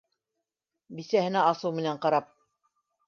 Бисәһенә асыу менән ҡарап: